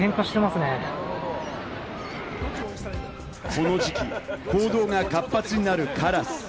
この時期、行動が活発になるカラス。